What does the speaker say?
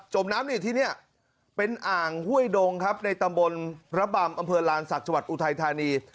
มน้ำนี่ที่นี่เป็นอ่างห้วยดงครับในตำบลระบำอำเภอลานศักดิ์จังหวัดอุทัยธานี